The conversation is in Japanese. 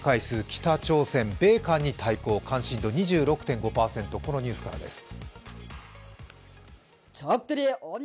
北朝鮮米韓に対抗、関心度２６％、このニュースからです。